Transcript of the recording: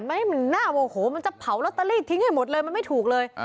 มันจะเผาล็อตเตอรี่ทิ้งให้หมดเลยมันไม่ถูกเลย